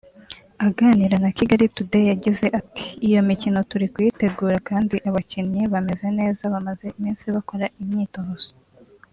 Aganira na Kigali Today yagize ati ”Iyo mikino turi kuyitegura kandi abakinnyi bameze neza bamaze iminsi bakora imyitozo